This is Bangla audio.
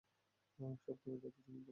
সবখানে তার পিছু নিতাম।